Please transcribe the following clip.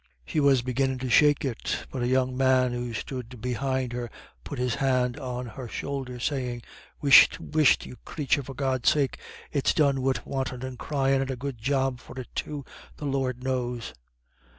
She was beginning to shake it, but a young man who stood behind her put his hand on her shoulder, saying: "Whisht, whisht, you crathur, for God's sake. It's done wid wantin' and cryin', and a good job for it too, the Lord knows."